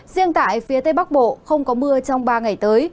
riêng tại phía tây bắc bộ không có mưa trong ba ngày tới